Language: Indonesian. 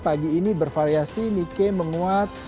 pagi ini bervariasi nike menguat